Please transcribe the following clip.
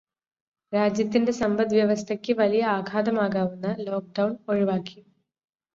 രാജ്യത്തിന്റെ സമ്പദ്വ്യവസ്ഥയ്ക്ക് വലിയ ആഘാതം ആകാവുന്ന ലോക്ക്ഡൗൺ ഒഴിവാക്കി